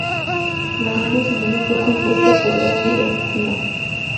La banda sonora fue compuesta por Danny Elfman.